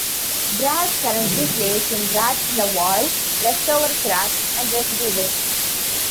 Brad currently plays in Rats In The Wall, Leftover Crack, and Recidivist.